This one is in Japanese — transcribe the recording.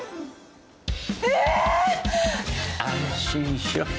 安心しろ。